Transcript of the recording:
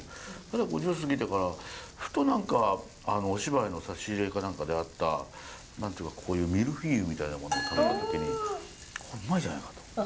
５０過ぎてからふと何かお芝居の差し入れか何かであった何て言うかこういうミルフィーユみたいなものを食べた時にうまいじゃないかと。